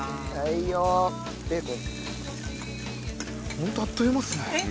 ホントあっという間ですね。